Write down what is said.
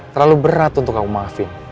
terlalu berat untuk kamu maafin